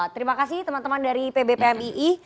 terima kasih teman teman dari pbpmii